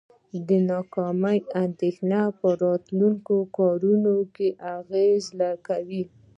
د ناکامۍ اندیښنه په راتلونکو کارونو اغیزه کوي.